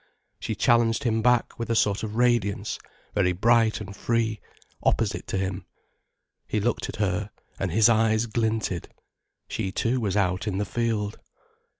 She challenged him back with a sort of radiance, very bright and free, opposite to him. He looked at her, and his eyes glinted. She too was out in the field.